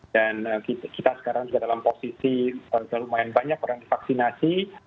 dan kita sekarang juga dalam posisi sudah lumayan banyak orang divaksinasi